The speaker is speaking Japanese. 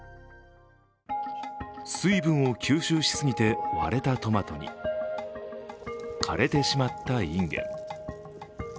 水分を吸収しすぎて割れたトマトに枯れてしまったインゲン。